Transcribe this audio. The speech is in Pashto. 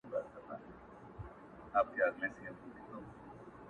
ستا د ژبې کيفيت او معرفت دی;